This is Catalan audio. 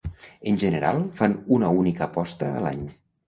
En general, fan una única posta a l'any.